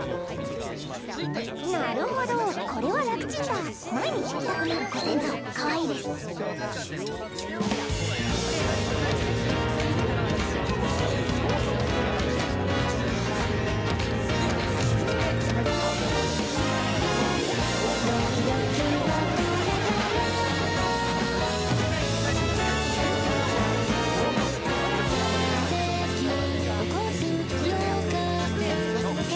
なるほどこれは楽チンだ毎日着たくなるご先祖かわいいですあれ？